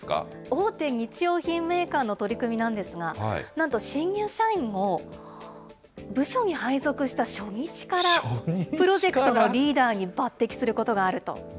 大手日用品メーカーの取り組みなんですが、なんと、新入社員を、部署に配属した初日からプロジェクトのリーダーに抜てきすることがあると。